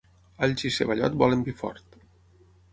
Alls i ceballot volen vi fort.